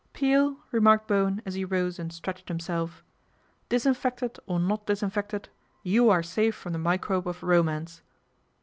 " Peel," remarked Bowen as he rose and stretched himself, " disinfected or not disinfected, you are safe from the microbe of romance."